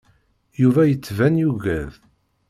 Yuba yettban yugad.